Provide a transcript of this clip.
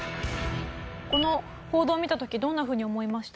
この報道を見た時どんなふうに思いました？